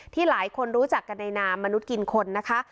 หลายคนรู้จักกันในนามมนุษย์กินคนนะคะ